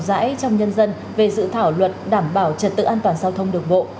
giải trong nhân dân về dự thảo luật đảm bảo trật tự an toàn giao thông được bộ